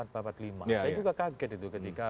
saya juga kaget itu ketika